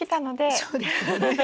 そうですよね。